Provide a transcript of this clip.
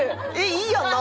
いいやんな？